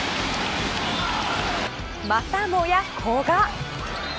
またもや古賀。